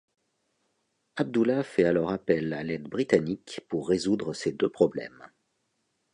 Abdullah fait alors appel à l'aide britannique pour résoudre ces deux problèmes.